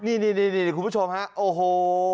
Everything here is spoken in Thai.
นี่คุณผู้ชมฮะโอ้โห